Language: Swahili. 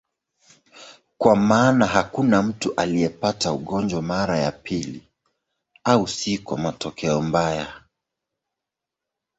Kwa maana hakuna mtu aliyepata ugonjwa mara ya pili, au si kwa matokeo mbaya.